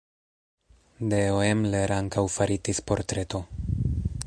De Oemler ankaŭ faritis portreto.